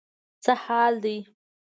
څه حال دی.